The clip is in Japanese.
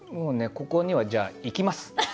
ここにはじゃあ行きます。